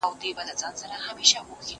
دا بوټونه له هغه پاک دي!.